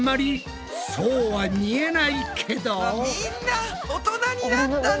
みんな大人になったね！